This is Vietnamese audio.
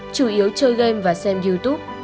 chủ yếu chơi game và xem youtube